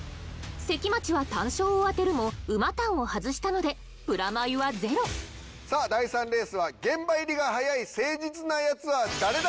関町は単勝を当てるも馬単を外したのでプラマイはゼロさあ第３レースは現場入りが早い誠実な奴は誰だ？